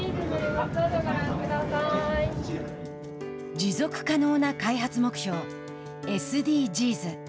持続可能な開発目標ＳＤＧｓ。